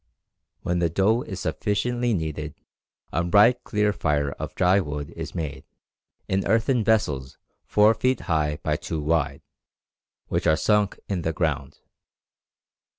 When the dough is sufficiently kneaded a bright clear fire of dry wood is made, in earthen vessels four feet high by two wide, which are sunk in the ground.